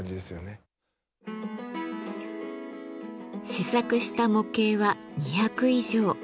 試作した模型は２００以上。